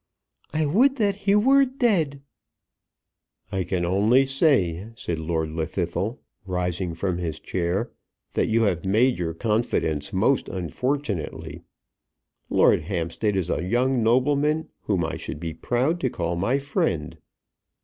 "I would that he were dead!" "I can only say," said Lord Llwddythlw, rising from his chair, "that you have made your confidence most unfortunately. Lord Hampstead is a young nobleman whom I should be proud to call my friend.